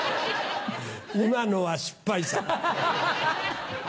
今のは失敗作。